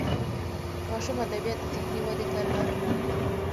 ماشوم ادبیات د ذهني ودې ته لار پرانیزي.